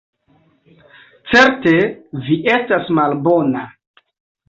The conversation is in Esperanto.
Certe vi estas malbona.